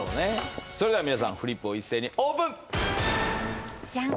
それでは皆さんフリップを一斉にオープン！